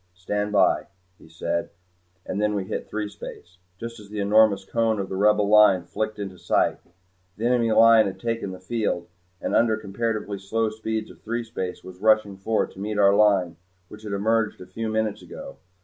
"Stand by," he said, and then we hit threespace, just as the enormous cone of the Rebel Line flicked into sight. The enemy line had taken the field, and under the comparatively slow speeds of threespace was rushing forward to meet our Line which had emerged a few minutes ago.